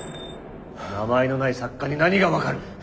名前のない作家に何が分かる。